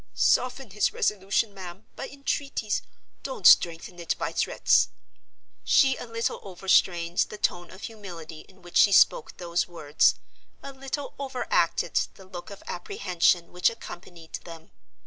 Soften his resolution, ma'am, by entreaties; don't strengthen it by threats!" She a little overstrained the tone of humility in which she spoke those words—a little overacted the look of apprehension which accompanied them.